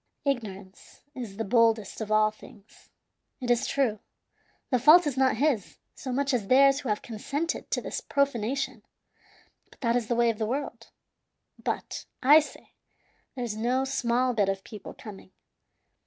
"Ignorance is the boldest of all things. It is true, the fault is not his, so much as theirs who have consented to this profanation, but that is the way of the world. But, I say, there's no small bit of people coming.